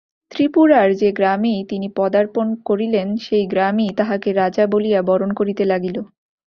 ত্রিপুরার যে গ্রামেই তিনি পদার্পণ করিলেন সেই গ্রামই তাঁহাকে রাজা বলিয়া বরণ করিতে লাগিল।